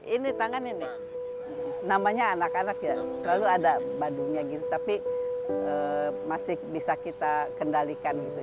ini tangan ini namanya anak anak ya selalu ada badungnya gitu tapi masih bisa kita kendalikan gitu